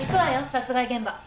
殺害現場。